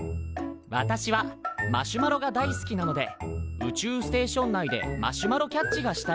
「私はマシュマロが大好きなので宇宙ステーション内でマシュマロキャッチがしたいです」。